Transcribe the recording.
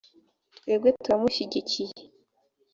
twebwe turamushyigikiye